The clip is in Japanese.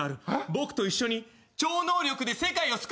僕と一緒に超能力で世界を救ってくれ！